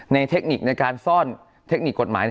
เทคนิคในการซ่อนเทคนิคกฎหมาย